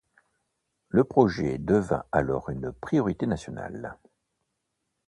Le projet devint alors une priorité nationale.